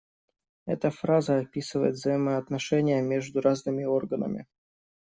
Эта фраза описывает взаимоотношения между разными органами.